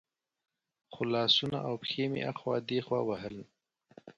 خو لاسونه او پښې مې اخوا دېخوا وهل.